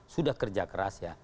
sudah kerja keras ya